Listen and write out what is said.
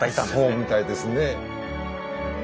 そうみたいですね。